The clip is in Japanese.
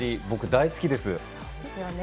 僕、大好きです。